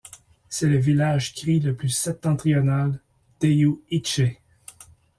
C'est le village cri le plus septentrional d'Eeyou Istchee.